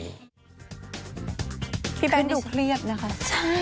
พี่เบ้นดูเครียดนะคะ